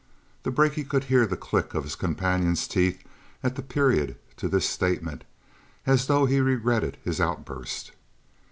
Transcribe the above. The brakie could hear the click of his companion's teeth at the period to this statement, as though he regretted his outburst.